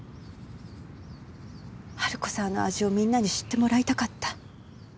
春子さんの味をみんなに知ってもらいたかった。